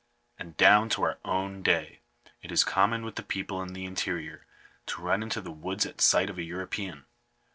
And down to our own day, it is common with the people in the interior to run into the woods at sight of a European